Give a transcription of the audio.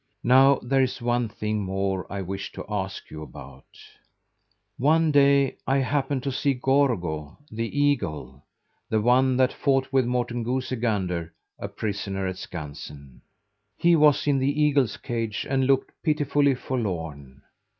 "Now there is one thing more I wish to ask you about: "One day I happened to see Gorgo, the eagle the one that fought with Morten Goosey Gander a prisoner at Skansen. He was in the eagles' cage and looked pitifully forlorn.